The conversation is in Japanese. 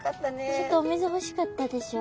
ちょっとお水欲しかったでしょう。